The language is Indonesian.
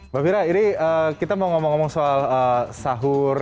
mbak fira ini kita mau ngomong ngomong soal sahur